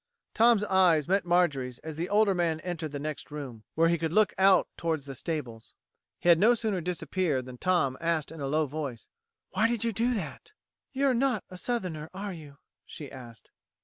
Tom's eyes met Marjorie's as the older man entered the next room, where he could look out toward the stables. He had no sooner disappeared than Tom asked in a low voice: "Why did you do that?" "You're not a Southerner, are you?" she asked.